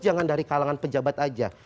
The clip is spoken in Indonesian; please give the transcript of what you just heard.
jangan dari kalangan pejabat aja